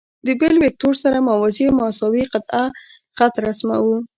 د بل وکتور سره موازي او مساوي قطعه خط رسموو.